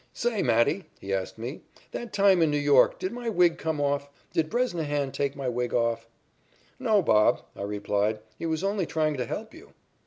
"Say, Matty," he asked me, "that time in New York did my wig come off? Did Bresnahan take my wig off?" "No, Bob," I replied, "he was only trying to help you."